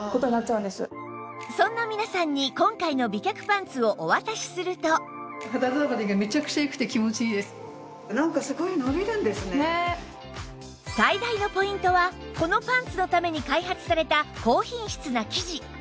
そんな皆さんに今回の最大のポイントはこのパンツのために開発された高品質な生地